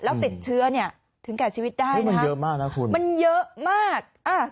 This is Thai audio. แล้วติดเชื้อเนี่ยถึงการชีวิตได้นะครับมันเยอะมากนะคุณ